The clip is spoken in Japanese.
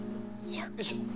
よいしょ。